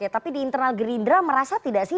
tapi di internal gerindra merasa tidak sih